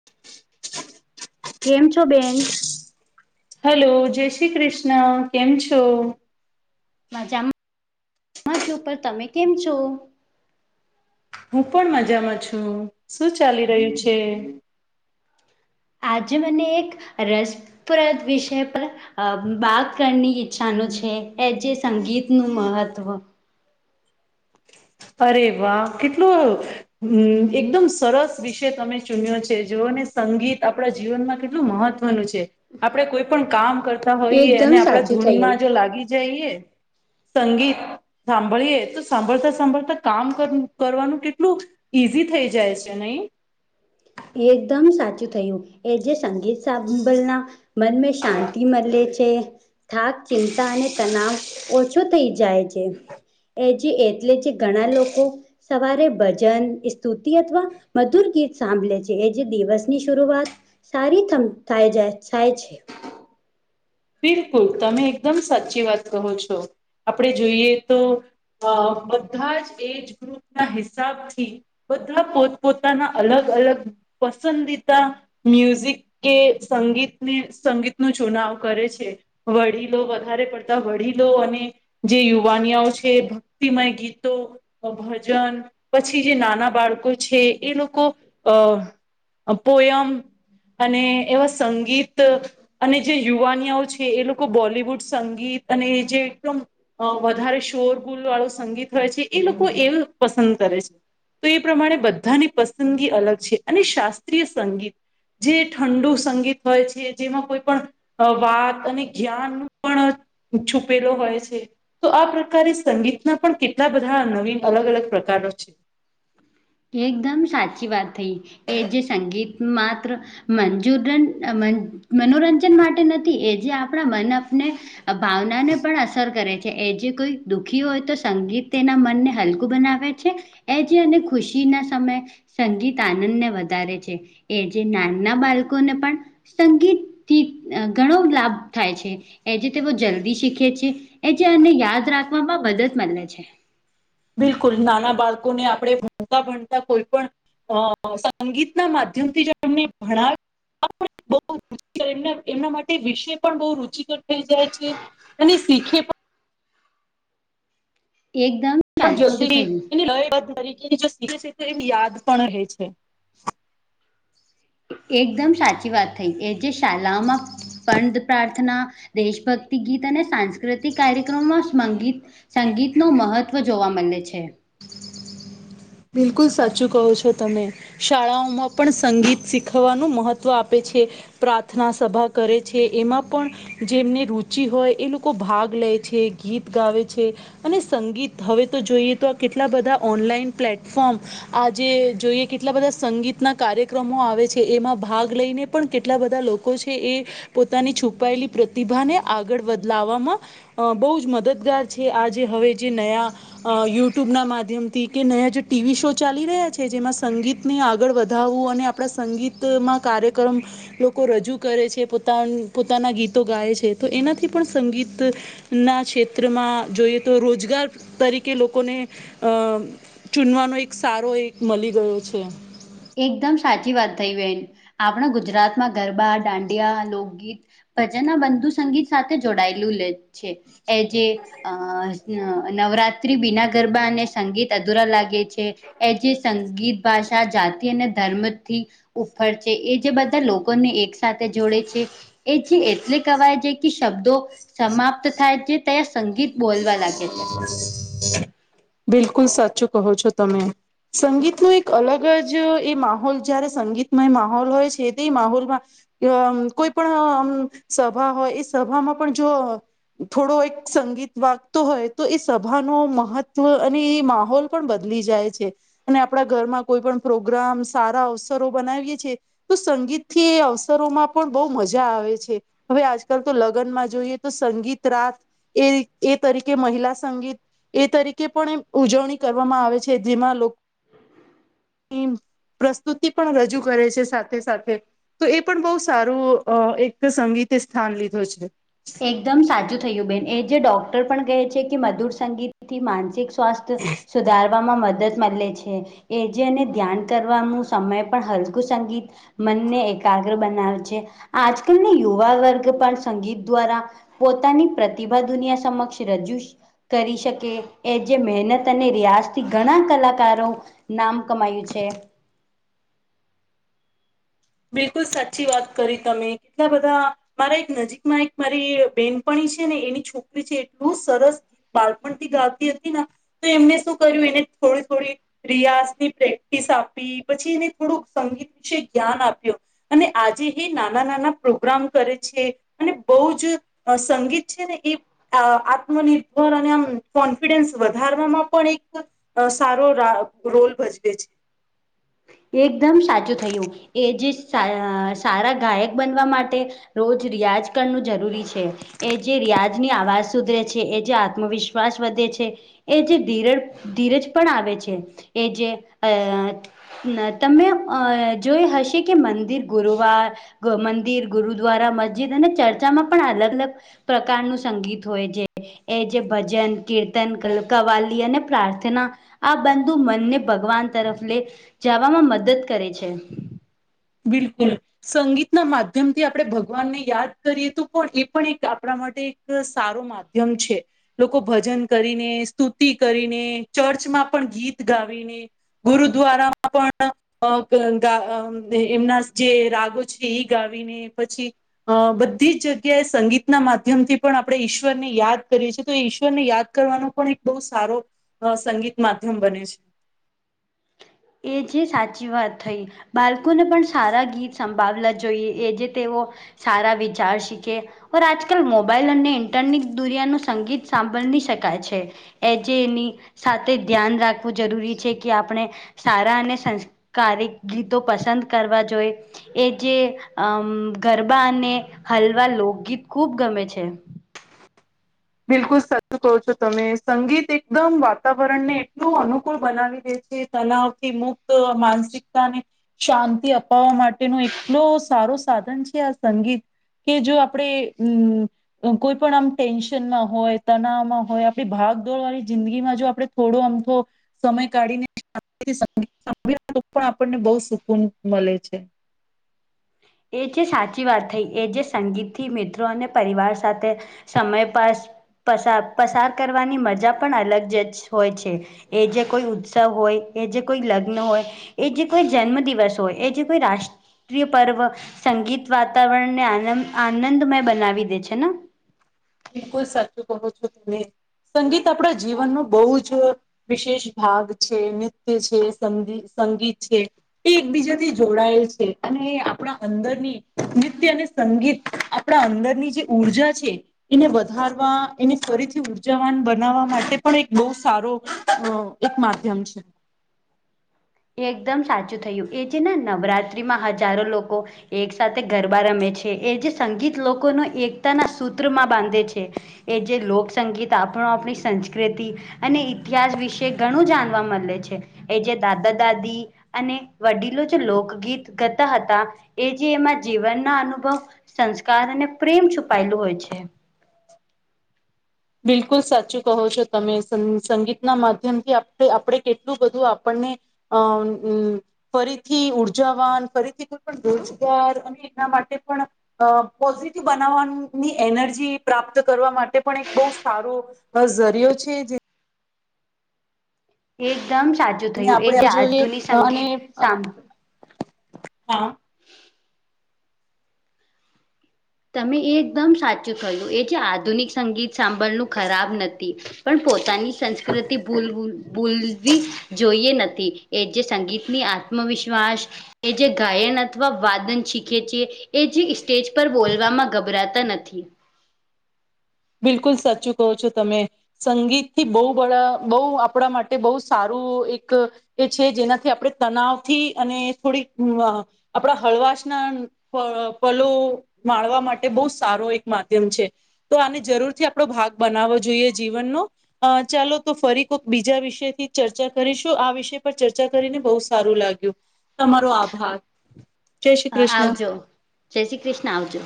[inaudible] કેમ છો બેન? હલો, જય શ્રી કૃષ્ણા કેમ છો? માજા છુ પર તમે કેમ છો? હું પણ મજામાં છું શું ચાલી રહ્યું છે? આજે મને એક રસપ્રદ વિષય પર અ બાત કરની ઈચ્છાનું છે એ જે સંગીતનું મહત્વ અરે વાહ કેટલું હમ, એકદમ સરસ વિષય તમે ચુન્યો છે જોઓને સંગીત આપણા જીવનમાં કેટલું મહત્ વનુ છે આપણે કોઈ પણ કામ કરતા હોઈએ એકદમ અને આપડા સાચું થયું ધૂનમાં જો લાગી જઈએ સંગીત સાંભળીએ તો સાંભળતા સાંભળ કામ કરવાનું કેટલું ઈઝી થઈ જાય છે નઈ. એકદમ સાચું થયું એ જે સંગીત સાભલના મનને શાંતિ મલે છે થાક ચિંતા અને તનાવ ઓ છો થઈ જાય છે એ જે એટલે જે ઘણા લોકો સવારે ભજન, સ્તુતિ અથવા મધુર ગીત સાંભલે છે. જે જ દિવસની શરુઆત સારી થાય જાય થાય છે. બિલકુલ, તમે એકદમ સાચી વાત કહો છો. આપણે જોઈએ તો અ બધા જ એજ ગ્રુપના હિસાબથી. બધાં પોત પોતાના અલગ અલગ પસંદીતા મ્યુઝિક કે સંગીતને સંગીતનો ચુનાવ કરે છે. વડીલો વધારે પડતા વડીલો અને જે યુવાનિયાઓ છે ભક્તિમય ગીતો ભજન પછી જે નાના બાળકો છે એ લોકો અ પોયમ અને એવા સંગીત અને જે યુવાનઓ છે એ લોકો બોલિવુડ સંગીત અને જે એકદમ અ વધારે શોર ગુલ વાળું સંગીત હોય છે એ લોકો એવ પસંદ કરે છે. તો એ પ્રમાણે બધાની પસંદગી અલગ છે અને શાસ્ત્રીય સંગીત. જે ઠંડુ સંગીત હોય છે જેમાં કોઈ પણ અ વાત અને જ્ઞાન ન પણ છુપેલો હોય છે તો આ પ્રકારે સંગીતના પણ કેટલા બધા નવીન અલગ અલગ પ્રકારનો છે. એકદમ સાચી વાત થઈ એ જે સંગીત માત્ર મંજુરન મનોરંજન માટે નથી એ જે આપણા મનઅપને ભાવના ને પણ અસર કરે છે એ જે કોઈ દુઃખી હોય તો સંગીત તેના મનને હલકું બનાવે આવે છે એ જે અને ખુશી ના સમય સંગીત આનંદને વધારે છે એ જે નાનના બાળકોને પણ સંગીત થી ઘણો લાભ થાય છે. એ જે તે બ જલ્દી શીખે છે એ જે આને યાદ રાખવામાં મદદ મળે છે. બિલકુલ નાના બાળકોને આપણે ભણતા ભણતા કોઈ પણ અ સંગીત ના માધ્યમથી જો તમને ભણાવ બ એમ એમના માટે વિષય પણ બહુ રુચિકર થઈ જાય છે. અને શીખે પણ એકદમ પણ સાચું જલ્દી થયું એ તરીકેી છે એ યાદ પણ રહે છે. એકદમ સાચી વાત થઈ એ જે શાલાઓમાં પંત પ્રાર્થના દેશભક્તિ ગીત અને સાસ્કૃ સાકૃતિક કાર્યક્રમોમાં સંગીત સંગીત ન મહત્વ જોવા મળે છે. બિલકુલ સાચું કહો છો તમે શાળાઓમાં પણ સંગીત શીખવવાનું મહત્વ આપે છે. પ્રાર્થના સભા કરે છે એમાં પણ જેમને રુચિ હોય એ લોકો ભાગ લે છે ગીત ગાવે છે. અને સંગીત હવે તો જોઈએ તો આ કેટલા બધા ઓનલાઈન પ્લેટફોર્મ આજે જોઈએ કેટલા બધા સંગીતના કાર્યક્રમો આવે છે એમાં ભાગ લઈને પણ કેટલા બધા લોકો છે એ પોતાની છુપાયેલી પ્રતિભા ને આગળ બદલાવામાં અ બહુ જ મદદગાર છે આજે હવે જે નયા યુટ્યુબ ના માધ્યમથી કે નયા જે ટીવી શો ચાલી રહ્યા છે જેમાં સંગીતને આગળ વધાવવું અને આપણા સંગીત માં કાર્યક્રમ લોકો રજૂ કરે છે પોતા પોતાના ગીતો ગાય છે તો એનાથી પણ સંગીત ના ક્ષેત્રમાં જોઈએ તો રોજગાર તરીકે લોકોને અ ચૂનવાનો એક સારો એ મળી ગયો છે. એકદમ સાચી વાત થઈ બેન આપણા ગુજરાતમાં ગરબા દાંડિયા લોકગીત ભજન ના બંધુ સંગીત સાથે જોડાયેલુંે છે. એ જે અ નવરાત્રી બિના ગરબા અને સંગીત અધુરા લાગે છે એ જે સંગીત ભાષા જા ધર્મથી ઉપર છે એ જે બધા લોકોને એક સાથે જોડે છે એ જે એટલે કવાય છે શબ્દો સમાપ્ત થાય છે તં સંગીત બોલવા લાગે છે બિલકુલ સાચું કહો છો તમે સંગીતનો એક અલગ જ એ માહોલ જયારે સંગીતમાં એ માહોલ હોય છે તે એ માહોલમાં કોઈ પણ સભા હોય એ સભામાં પણ જો થોડો એક સંગીત વાગતો હોય તો એ સભા ન મહત્વ અને એ માહોલ પણ બદલી જાય છે અને આપણા ઘરમાં કોઈ પણ પ્રોગ્રામ સારા અવસરો બનાવીએ છીએ તો સંગીતથી અવસરોમાં પણ બહુ મજા આવે છે હવે આજકાલ તો લગ્નમાં જોઈએ તો સંગીત રાત એ એ તરીકે મહિલા સંગીત એ તરીકે પણ ઉજવણી કરવામાં આવે છે જેમાં લોકો પ્રસ્તુતિ પણ રજૂ કરે છે સાથે સાથે તો એ પણ બહુ સારું એક સંગીતે સ્થાન લીધું છે એકદમ સાચું થયું બેન એ જે ડોક્ટર પણ ગહે છે કે મધુર સંગીત થી માનસિક સ્વાસ્થ સુધાર વામાં મદદ મળે છે એ જેને ધ્યાન કરવાનું સમય પણ હલકું સંગીત મનને એકાગ્ર બનાવે છે આજકાલને યુવા વર્ગ પણ સંગીત દ્વારા પોતાની પ્રતિભા દુનિયા સમક્ષ રજૂ કરી શકે એ જે મહેનત અને રિયાઝથી ઘણા કલાકારો નામ કમાયું છે. બિલકુલ સાચી વાત કરી તમે કેટલા બધા મારા એક નજીકમાં એક મારી બેનપણી છે ને એની છોકરી છે એટલું સરસ બાળપણ થી ગાતી હતી તો એમને શું કર્યું એને થોડી થોડી રિયાસની પ્રેક્ટિસ આપી પછી એને થોડુંક સંગીત વિશે જ્ઞાન આપ્યું અને આજે એ નાના નાના પ્રોગ્રામ કરે છે અને બહુ જ અ સંગીત છે ને એ આ આત્મનિર્ભર અને આમ કોન્ફિડન્સ વધારવામાં પણ એક અ સારો રા રોલ ભજવે છે. એકદમ સાચું થયું એ જે સા સારા ગાયક બનવા માટે રોજ રિયાજ કરવું જરૂરી છે. એ જે રિયાજની આવાજ સુધરે છે એ જે આત્મવિશ્વાસ વધે છે એ જે ધીરજ ધીરજ પણ આવે છે એ જે અ ના તમે અ જોઈ હશે કે મંદિર ગુરુવાર ગ મંદિર ગુરુદ્વારા મસ્જિદ અને ચર્ચામાં પણ અલગ અલગ પ્રકારનું સંગીત હોય છે. એ જે ભજન, કીર્તન, ક કવાલી અને પ્રાર્થના આ બંધુ મનને ભગવાન તરફ લે જવામાં મદદ કરે છે. બિલકુલ સંગીતના માધ્યમ થી આપણે ભગવાનને યાદ કરીએ તો પણ એ પણ એક આપણા માટે એક સારો મા માધ્યમ છે. લોકો ભજન કરીને સ્તુતિ કરીને ચર્ચમાં પણ ગીત ગાવીને ગુરુદ્વારામાં પણ અ બ ગા એમના જે રાગો છે એ ગાવીને પછી અ બધી જ જગ્યાએ સંગીતના માધ્યમથી પણ આપણે ઈશ્વર ને યાદ કરીએ છીએ તો ઈશ્વરને યાદ કરવાનું પણ એક બહુ સારો સંગીત માધ્યમ બને છે. એ જે સાચી વાત થઈ બાળકોને પણ સારા ગીત સંભાવલા જોઈએ એ જે તેઓ સારા વિચાર શીખે ઓ આજકાલ મોબાઈલ અને ઇન્ટરનેટ દુરિયા નુ સંગીત સાંભળી શકાય છે. એ જે એની સાથે ધ્યાન રાખવું જરૂરી છે કે આપણે સારા અને સંસ્કારિક ગીતો પસંદ કરવા જોઈ એ જે અ ગરબા અને હલવા લોકગીત ખુબ ગમે છે. બિલકુલ સાચું કહો છો તમે સંગીત એકદમ વાતાવરણ ને એટલું અનુકૂળ બનાવી દે છે. તલાવ થી મુક્ત માનસિકતાને શાંતિ અપાવવા મા ટે નો એટલો સારો સાધન છે આ સંગીત કે જો આપણે કોઈ પણ આમ ટેનસ સન માં હોય તણવમાં હોય આપણી ભાગદોડ વાળી જિંદગીમાં જો આપડે થોડો આમ તો સમય કાઢીને તો પણ આપણને બહુ સુકૂન મળે છે એ જે સાચી વાત થઈ એ જે સંગીત થી મિત્રો અને પરિવાર સાથે સમય પાસ પસા પસાર કરવાની મજા પણ અલગ જ જ હોય છે. એ જે કોઈ ઉત્સવ હોય એ જે કોઈ લગ્ન હોય એ જે કોઈ જન્મ દિવસ હોય એ જે કોઈ રાષ્ટ્રીય પર્વ સંગીત વાતાવરણને આનંદ આનંદમય બનાવી દે છે ને? બિલકુલ સાચું કહો છો તમે સંગીત આપણા જીવનનું બહુ જ વિશેષ ભાગ છે, નૃત્ય છે, સંગી સંગીત છે, એ એકબીજાથી જોડાયેલ છે અને આપણા અંદરની નિત્ય્ને સંગીત આપણા અંદરની જે ઉર્જા છે એને વધારવા એને ફરીથી ઉર્જાવાન બનાવવા માટે પણ એક બહુ સારો અ એક માધ્યમ છે. એ એકદમ સાચું થયું એ જે નવરાત્રીમાં હજારો લોકો એક સાથે ગરબા રમે છે એ જે સંગીત લોકોનો એકતાના સૂત્રમાં બાંધે છે. એ જે લોક સંગીત આપણો આપણી સંસ્કૃતિ અને ઇતિહાસ વિશે ઘણું જાણવા મળે છે એ જે દાદા દાદી અને વડીલો જે લોકગીત કરતા હતા એ જે એમાં જીવનના અનુભવ સંસ્કાર અને પ્રેમ છુપાયેલું હોય છે. બિલકુલ સાચું કહો છો તમે સ સંગીતના માધ્યમથી આપણે કેટલું બધું આપણને હ હમ ફરીથી ઉર્જાવાન ફરીથી કોઈ પણ રોજગાર અને એના માટે પણ અ પોઝિટિવ બનાવવાની એનર્જી પ્રાપ્ત કરવા માટે પણ એક બહુ સારોઝરિયો છે. એકદમ સાચું જેને થયું એ જે આપણે આધુનિક સંગીત સાભળ હા તમે એ એકદમ સાચું થયું એ જે આધુનિક સંગીત સાંભળનું ખરાબ નથી પણ પોતાની સંસ્કૃતિ ભૂલવુ ભૂલવી જોઈએ નથી એ જે સંગીતની આત્મવિશ્વાસ એ જે ગાયન અથવા વાદન શીખે છી એ જે સ્ટેજ પર બોલ વા માં ગભરાતા નથી. બિલકુલ સાચું કહો છો તમે. સંગીતથી બહુ બા બહુ આપણા માટે બહુ સારું એક એ છે જેનાથી આપણે તનાવથી અને થોડીક આપણા હળવાશના પ પલો માળવા માટે બહુ સારો એક માધ્યમ છે. તો આને જરૂરથી આપણો ભાગ બનાવવો જોઈએ જીવનનો અ ચાલો તો ફરી કોક બીજા વિષ થી ચર્ચા કરીશું આ વિષય પર ચર્ચા કરીને બહુ સારું લાગ્યું તમારો આભાર. જય શ્રી કૃષ્ણ આવજો જય શ્રી કૃષ્ણ આવજો.